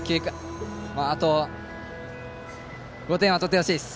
あと５点は取ってほしいです。